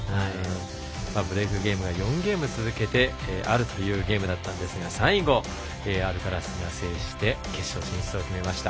ブレークゲームが４ゲーム続けてあるというゲームだったんですが最後アルカラスが制して決勝進出を決めました。